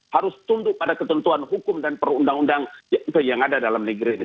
harus tunduk pada ketentuan hukum dan perundang undang yang ada dalam negeri ini